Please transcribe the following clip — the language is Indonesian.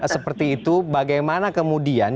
seperti itu bagaimana kemudian